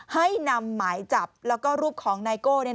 ให้นำหมายจับแล้วก็รูปของไนโก้